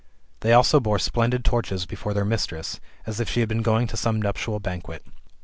They also bore splendid torches before their mistress, as if she had been going to some nuptial banquet.